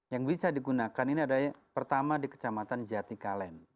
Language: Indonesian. yang bisa digunakan ini adalah pertama di kecamatan jatikalen